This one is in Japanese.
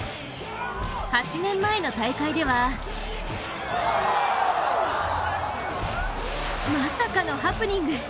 ８年前の大会ではまさかのハプニング。